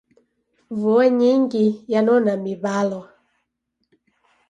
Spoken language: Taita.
Vua nyingi yanona miw'alwa.